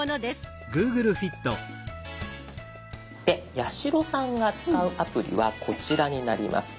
八代さんが使うアプリはこちらになります。